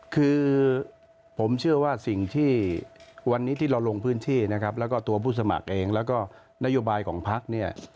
คือผมเชื่อว่าสิ่งที่วันนี้ที่เราลงพื้นที่นะครับแล้วก็ตัวผู้สมัครเองแล้วก็นโยบายของพักเนี่ย